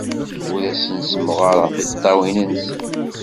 Ur asen-ssemɣareɣ tiṭṭawin-nsen.